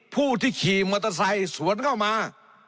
ผู้ที่ขี่มอเตอร์ไซค์สวนเข้ามา